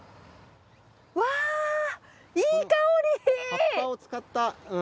うわぁいい香り！